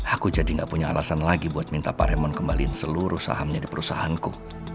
aku jadi gak punya alasan lagi buat minta paremon kembaliin seluruh sahamnya di perusahaanku